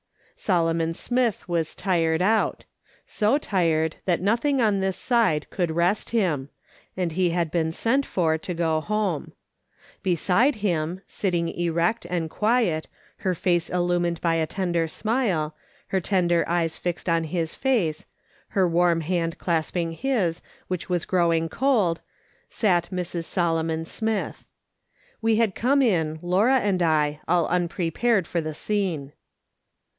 Solomon Smith was tired out ; so tired that no thing on this side could rest him, and he had been sent for to go home. Beside him, sitting erect and quiet, her face illumined by a tender smile, her tender eyes fixed on his face, her warm hand clasp ing his, which was growing cold, sat Mrs. Solomon Smith. We had come in, Laura and I, all unprepared for the scene.